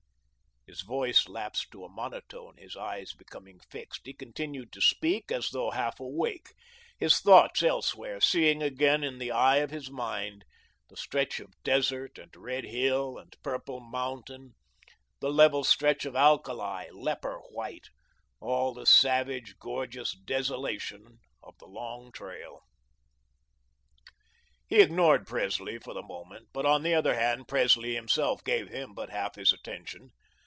His voice lapsed to a monotone, his eyes becoming fixed; he continued to speak as though half awake, his thoughts elsewhere, seeing again in the eye of his mind the reach of desert and red hill, the purple mountain, the level stretch of alkali, leper white, all the savage, gorgeous desolation of the Long Trail. He ignored Presley for the moment, but, on the other hand, Presley himself gave him but half his attention.